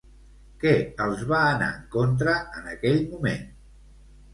Què els va anar en contra en aquell moment?